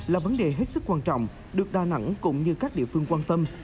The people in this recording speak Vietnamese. là vấn đề hết sức quan trọng được đà nẵng cũng như các địa phương quan tâm